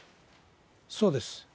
そうです。